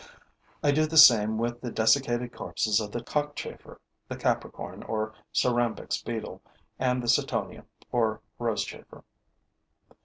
I do the same with the desiccated corpses of the cockchafer, the Capricorn, or Cerambyx beetle, and the Cetonia, or rosechafer.